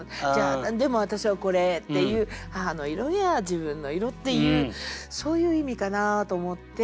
「でも私はこれ」っていう母の色や自分の色っていうそういう意味かなと思って。